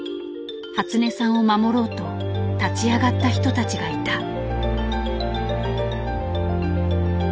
初音さんを守ろうと立ち上がった人たちがいた。